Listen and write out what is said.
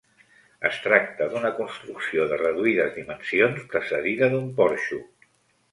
Es tracta d'una construcció de reduïdes dimensions precedida d'un porxo.